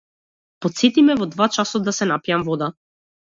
Потсети ме во два часот да се напијам вода.